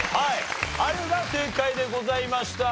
あるが正解でございました。